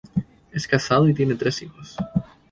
Es casado y tiene tres hijos.